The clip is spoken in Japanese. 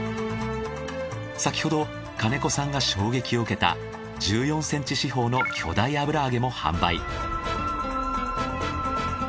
先ほど金子さんが衝撃を受けた１４センチ四方の巨大油揚げも販売。